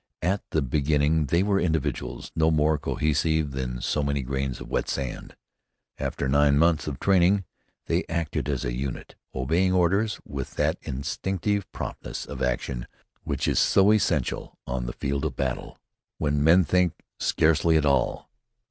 At the beginning, they were individuals, no more cohesive than so many grains of wet sand. After nine months of training they acted as a unit, obeying orders with that instinctive promptness of action which is so essential on the field of battle when men think scarcely at all.